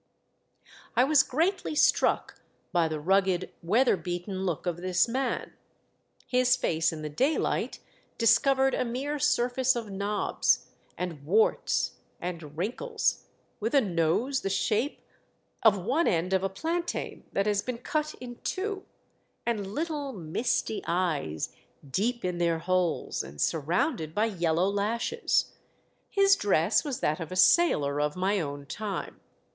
I was greatly struck by the rugged, weather beaten look of this man ; his face in the daylight discovered a mere surface of knobs, and warts, and wrinkles, with a nose the shape of one end of a plantain that has been cut in two, and little, misty eyes, deep in their holes, and surrounded by yellow lashes ; his dress was that of a sailor of my own time.